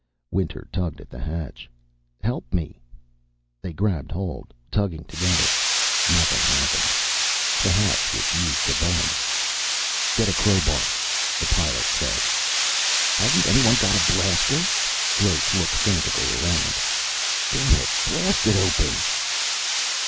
Winter tugged at the hatch. "Help me." They grabbed hold, tugging together. Nothing happened. The hatch refused to budge. "Get a crowbar," the Pilot said. "Hasn't anyone got a blaster?" Gross looked frantically around. "Damn it, blast it open!"